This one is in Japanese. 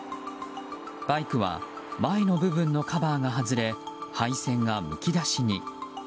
バイクは前の部分のカバーが外れ配線がむき出しに。